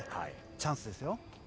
チャンスですよ。